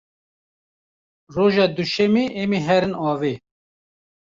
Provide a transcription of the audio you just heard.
Roja duşemê em ê herin avê.